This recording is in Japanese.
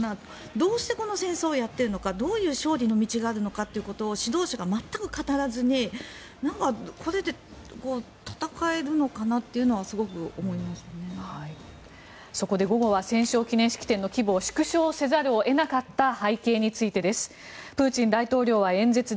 どうしてこの戦争をやっているのかなどういう勝利の道があるのかということを指導者が全く語らずにこれで戦えるのかなというのは午後は戦争記念式典の規模を縮小せざるを得なかった背景についてです。